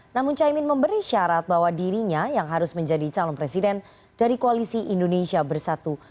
namun caimin memberi syarat bahwa dirinya yang harus menjadi calon presiden dari koalisi indonesia bersatu